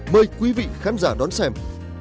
mời quý vị khán giả đón xem